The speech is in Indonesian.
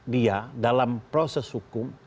dia dalam proses hukum